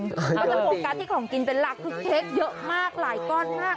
ก็จะโฟกัสที่ของกินเป็นหลักคือเค้กเยอะมากหลายก้อนมาก